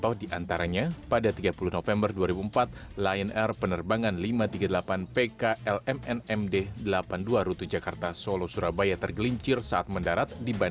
untuk keluarga korban